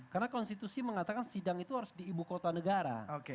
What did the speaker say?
karena konstitusi mengatakan sidang itu harus di ibu kota negara